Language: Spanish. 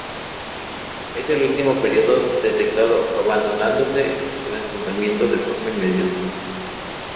Éste es el último período detectado, abandonándose el asentamiento de forma inmediata.